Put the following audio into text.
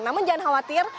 namun jangan khawatir